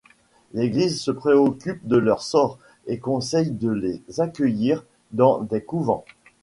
L'Église se préoccupe de leur sort et conseille de les accueillir dans des couvents.